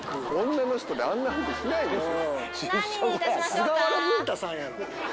菅原文太さんやろ。